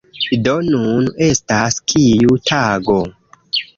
Do, nun estas... kiu tago?